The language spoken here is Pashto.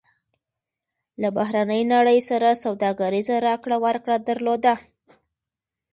له بهرنۍ نړۍ سره سوداګریزه راکړه ورکړه درلوده.